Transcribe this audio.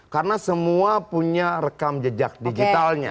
karena semua punya rekam jejak digitalnya